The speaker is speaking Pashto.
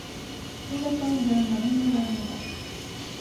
هیله کوم د مننې وړ نه ده